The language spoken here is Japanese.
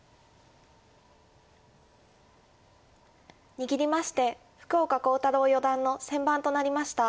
握りまして福岡航太朗四段の先番となりました。